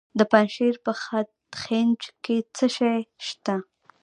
د پنجشیر په خینج کې څه شی شته؟